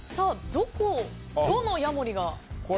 どのヤモリが？